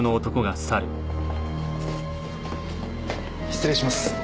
失礼します。